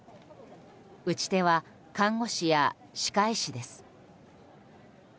打ち手は看護師や歯科医師です。